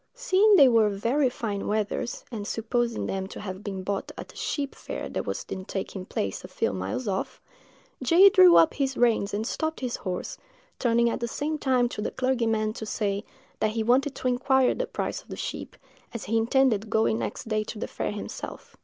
Seeing they were very fine wethers, and supposing them to have been bought at a sheep fair that was then taking place a few miles off, J—— drew up his reins and stopped his horse, turning at the same time to the clergyman to say, that he wanted to inquire the price of the sheep, as he intended going next day to the fair himself.